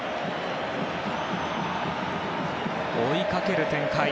追いかける展開。